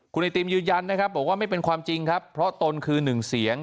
คุณไอติมยืนยันนะครับบอกว่าไม่เป็นความจริงครับเพราะตนคือหนึ่งเสียง